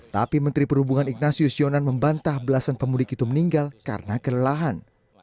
tapi menteri perhubungan ignasius yonan membantah belasan pemudik itu meninggal karena kelelahan